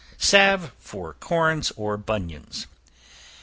Salve for Corns, or Bunions.